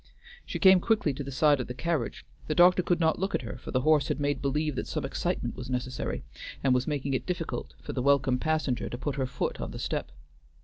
She came quickly to the side of the carriage; the doctor could not look at her, for the horse had made believe that some excitement was necessary, and was making it difficult for the welcome passenger to put her foot on the step.